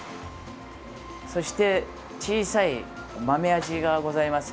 そして小さい豆アジがございます。